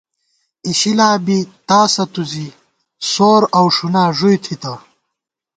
اِشِلا بی تاسہ تُو زی ، سور اؤ ݭُنا ݫُوئی تھِتہ